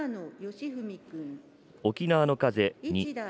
沖縄の風２。